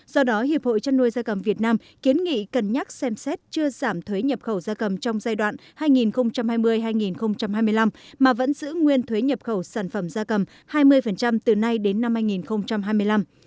do đó hiệp hội chăn nuôi gia cầm việt nam kiến nghị cân nhắc xem xét chưa giảm thuế nhập khẩu gia cầm trong giai đoạn hai nghìn hai mươi hai nghìn hai mươi năm mà vẫn giữ nguyên thuế nhập khẩu sản phẩm da cầm hai mươi từ nay đến năm hai nghìn hai mươi năm